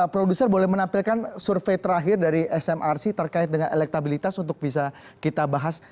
produser boleh menampilkan survei terakhir dari smrc terkait dengan elektabilitas untuk bisa kita bahas